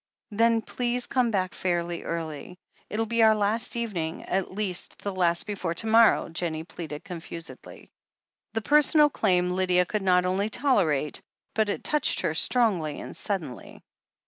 "Then please come back fairly early. It'll be our last evening — at least, the last before — ^to morrow," Jennie pleaded confusedly. The personal claim Lydia could not only tolerate, but it touched her strongly and suddenly.